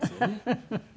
フフフフ！